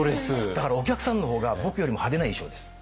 だからお客さんの方が僕よりも派手な衣装です。